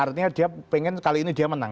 artinya dia pengen kali ini dia menang